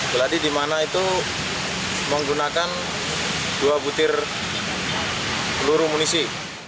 geladi dimana itu menggunakan dua butir peluru munisi